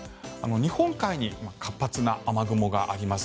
日本海に活発な雨雲があります。